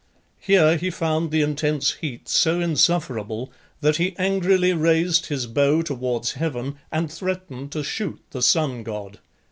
Here he found the intense heat so insufferable that he angrily raised his bow towards heaven, and threatened to shoot the sun god.